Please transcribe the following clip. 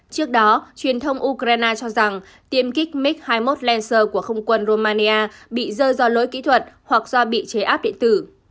trước đó truyền thông ukraine cho rằng tiêm kích mig hai mươi một lander của không quân romania bị dơ do lỗi kỹ thuật hoặc do bị chế áp điện tử